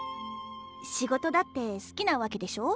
仕事だって好きなわけでしょ？